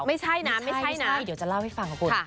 ไม่ใช่นะเดี๋ยวจะเล่าให้ฟังคุณคุณ